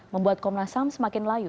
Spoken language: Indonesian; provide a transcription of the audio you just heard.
membuat komnas ham semakin layu